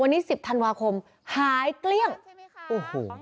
วันนี้สิบธันวาคมหายเกลี้ยงใช่ไหมคะโอ้โห